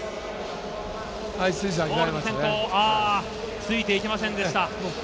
ついて行けませんでした。